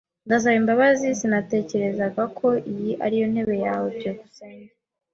Ndasaba imbabazi. Sinatekerezaga ko iyi ari yo ntebe yawe. byukusenge